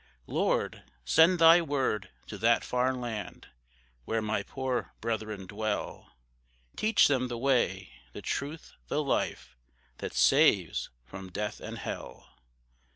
Lord, send Thy Word to that far land, Where my poor brethren dwell, Teach them the way, the truth, the life, That saves from death and hell.